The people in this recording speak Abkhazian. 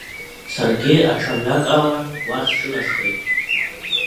Саргьы аҽамҩакала уахь сҿынасхеит…